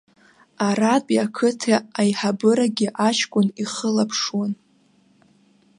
Аратәи ақыҭа аиҳабырагьы аҷкәын ихылаԥшуан.